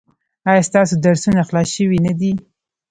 ایا ستاسو درسونه خلاص شوي نه دي؟